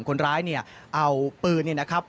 คนร้ายเนี่ยเอาปืนเนี่ยนะครับ